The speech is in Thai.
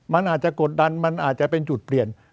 มันอาจจะกดดันมันอาจจะเป็นจุดเปลี่ยน